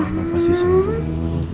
mama pasti sembuh